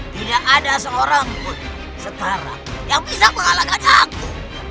tidak ada seorang pun setara yang bisa mengalahkan aku